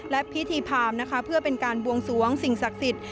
และพิธีพามนะคะเพื่อเป็นการบวงสวงสิ่งศักดิ์สิทธิ์